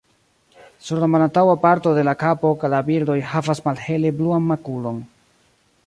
Sur la malantaŭa parto de la kapo la birdoj havas malhele bluan makulon.